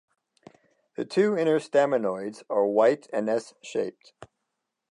The two inner staminodes are white and s-shaped.